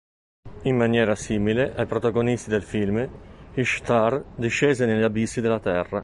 In maniera simile ai protagonisti del film, Ishtar discese negli abissi della terra.